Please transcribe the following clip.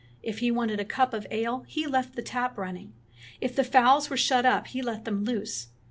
If he wanted a cup of ale he left the tap running. If the fowls were shut up he let them loose.